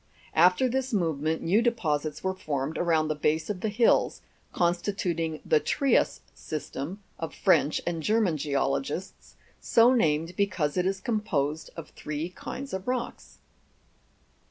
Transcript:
After this movement, new deposits were formed around the base of the hills, constituting the Trias System of French and German geologists, so named because it is composed of three kinds of rocks.